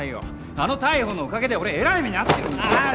あの逮捕のおかげで俺えらい目に遭ってるんです。